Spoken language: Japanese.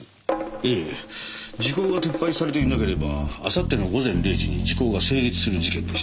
ええ時効が撤廃されていなければあさっての午前０時に時効が成立する事件でした。